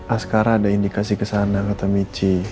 askara ada indikasi kesana kata michi